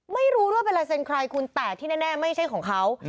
ไม่รู้ด้วยว่าเป็นลายเซ็นต์ใครคุณแต่ที่แน่ไม่ใช่ของเขา